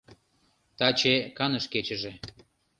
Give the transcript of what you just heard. Таче — каныш кечыже.